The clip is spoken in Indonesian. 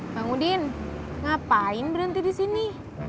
bang udin ngapain berhenti disini